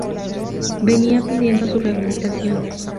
venía pidiendo su rehabilitación